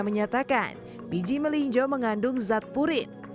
menyatakan biji melinjo mengandung zat purin